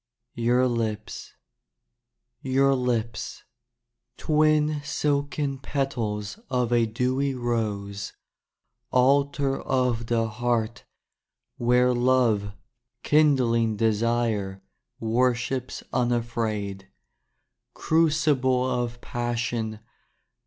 Your Lips Your Lips, Twin silken petals Of a dewy rose. Altar Of the heart Where love Kindling desire Worships unafraid. Crucible Of Passion.